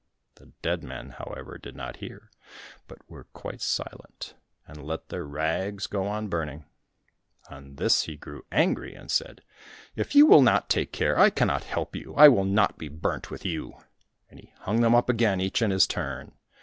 The dead men, however, did not hear, but were quite silent, and let their rags go on burning. On this he grew angry, and said, "If you will not take care, I cannot help you, I will not be burnt with you," and he hung them up again each in his turn.